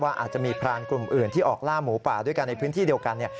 อาจจะมีพรานกลุ่มอื่นที่ออกล่าหมูป่าด้วยกันในพื้นที่เดียวกัน